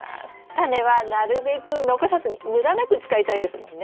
タネはなるべく残さずに無駄なく使いたいですもんね。